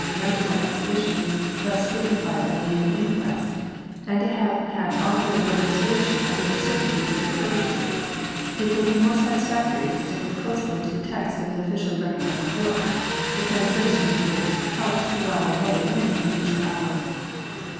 lamentable exhibitions thus dignified by the name of inquest, and to have had ocular demonstration of the absurdities there perpetrated, it will be more satis factory to stick closely to the text of an officially recognised book, the translation of which helped to while away many a leisure hour.